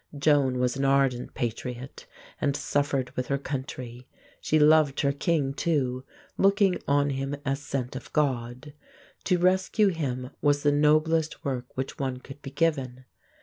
Joan was an ardent patriot and suffered with her country; she loved her king too, looking on him as sent of God. To rescue him was the noblest work which one could be given.